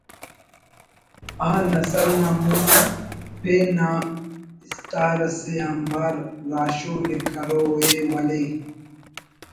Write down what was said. آ نسل نا مون آ پن نا استار اسے آنبار راہشونی ءِ کرو ءِ ولے